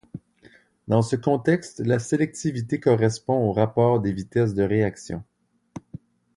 Dans ce contexte, la sélectivité correspond au rapport des vitesses de réaction.